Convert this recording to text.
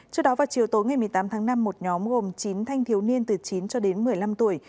trước đó vào chiều tối ngày một mươi tám tháng năm một nhóm gồm chín thanh thiếu niên từ chín cho đến một mươi năm tuổi